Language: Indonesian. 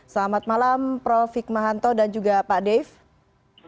selamat malam prof hikmahanto dan juga pak dave